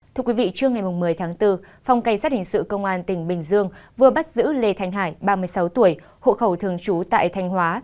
thưa quý vị trưa ngày một mươi tháng bốn phòng cảnh sát hình sự công an tỉnh bình dương vừa bắt giữ lê thanh hải ba mươi sáu tuổi hộ khẩu thường trú tại thanh hóa